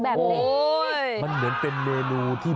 แบบนี้